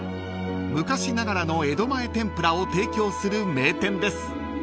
［昔ながらの江戸前天ぷらを提供する名店です］